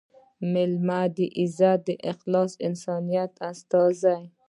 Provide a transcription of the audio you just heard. مېلمه – د عزت، اخلاص او انسانیت استازی